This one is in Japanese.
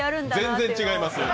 全然違います。